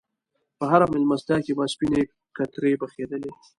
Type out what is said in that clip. په هره میلمستیا کې به سپینې کترې پخېدلې.